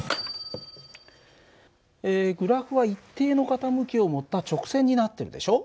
グラフは一定の傾きを持った直線になってるでしょ。